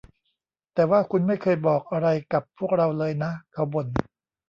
แต่ว่าคุณไม่เคยบอกอะไรกับพวกเราเลยนะ เขาบ่น